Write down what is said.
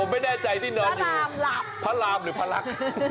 ไม่แน่ใจนี่นอนอยู่พระรามหรือพระลักษณ์